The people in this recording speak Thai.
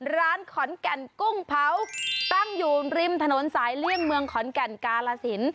ร้านขอนแก่นกุ้งเผาตั้งอยู่ริมถนนสายเลี่ยงเมืองขอนแก่นกาลสิน